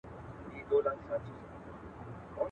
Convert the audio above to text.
باز چي هر څونه وږی سي، چونگوښي نه خوري.